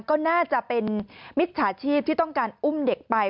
ก็น่าจะเป็นมิจฉาชีพที่ต้องการอุ้มเด็กไป